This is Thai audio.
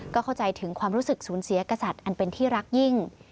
ก็เข้าใจถึงความรู้สึกสูญเสียกษัตริย์อันเป็นที่รักยิ่ง